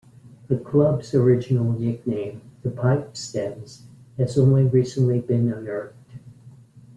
The club's original nickname, The Pipe Stems, has only recently been unearthed.